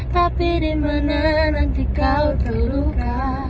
tapi dimana nanti kau terluka